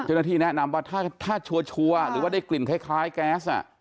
ฉะนั้นที่แนะนำว่าถ้าชัวร์หรือว่าได้กลิ่นคล้ายแก๊สน่ะ